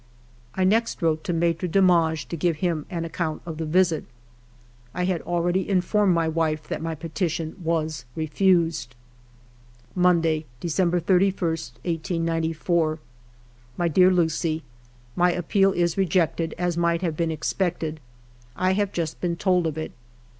'* I next wrote to Maitre Demange to give him an account of the visit. I had already informed my wife that my petition was refjsed. "Monday, December 31, 1894. My dear Lucie, — My appeal is rejected, as might have been expected. I have just been told of it.